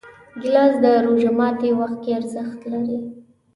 ګیلاس د روژه ماتي وخت کې ارزښت لري.